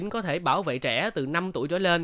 có thể bảo vệ trẻ từ năm tuổi trở lên